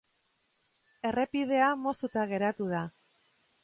Errepidea moztuta geratu da.